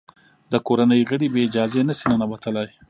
د کورنۍ غړي بې اجازې نه شي ننوتلای.